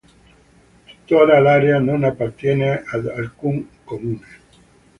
Tuttora l'area non appartiene ad alcun comune.